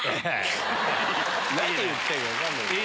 何言ってるか分かんない。